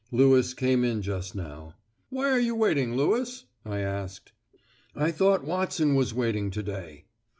Lewis came in just now. 'Why are you waiting, Lewis?' I asked. 'I thought Watson was waiting to day.